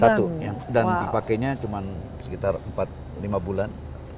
satu dan dipakainya cuma sekitar empat lima bulan